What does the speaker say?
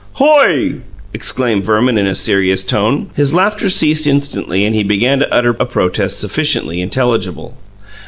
"Hoy!" exclaimed Verman, in a serious tone. His laughter ceased instantly, and he began to utter a protest sufficiently intelligible.